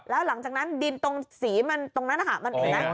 แล้วหลังจากนั้นดินตรงสีมันตรงนั้นนะคะมันเห็นไหม